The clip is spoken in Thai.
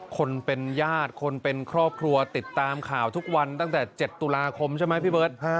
คนเป็นญาติคนเป็นครอบครัวติดตามข่าวทุกวันตั้งแต่๗ตุลาคมใช่ไหมพี่เบิร์ต